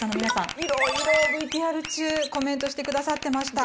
いろいろＶＴＲ中コメントして下さってました。